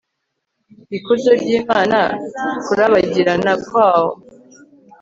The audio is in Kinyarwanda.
ikuzo ry Imana Kurabagirana kwawo